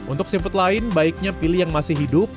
untuk seafood lain baiknya pilih yang masih hidup